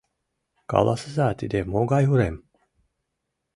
— Каласыза, тиде могай урем?